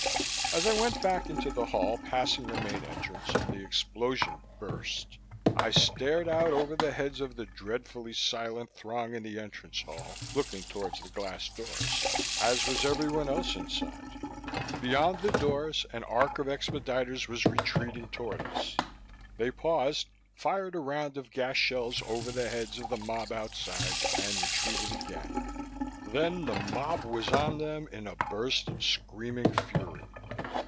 As I went back into the hall, passing the main entrance, the explosion burst. I stared out over the heads of the dreadfully silent throng in the entrance hall, looking toward the glass doors, as was everyone else inside. Beyond the doors, an arc of expediters was retreating toward us; they paused, fired a round of gas shells over the heads of the mob outside, and retreated again. Then the mob was on them, in a burst of screaming fury.